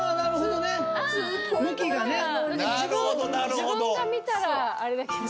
自分が見たらあれだけど。